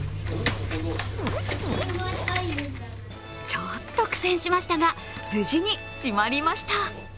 ちょっと苦戦しましたが無事に閉まりました。